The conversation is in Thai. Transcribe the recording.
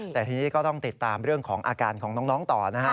แต่ทีนี้ก็ต้องติดตามเรื่องของอาการของน้องต่อนะฮะ